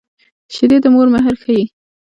شیدې د مور مهر ښيي